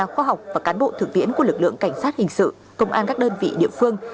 khoa học và cán bộ thực tiễn của lực lượng cảnh sát hình sự công an các đơn vị địa phương